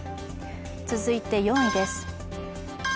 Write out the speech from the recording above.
続いて４位です。